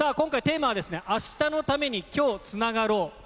今回、テーマは明日のために、今日つながろう。